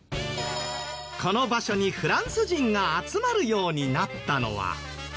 この場所にフランス人が集まるようになったのは。